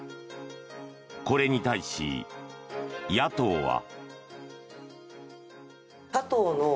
これに対し、野党は。